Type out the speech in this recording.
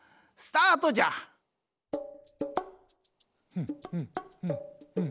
ふんふんふんふん。